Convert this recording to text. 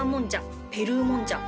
ペルーもんじゃ